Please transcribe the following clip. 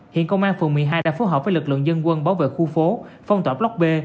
hiện công an phường một mươi hai đã phối hợp với lực lượng dân quân bảo vệ khu phố phong tỏa lóc b